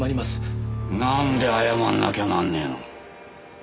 なんで謝んなきゃなんねえの？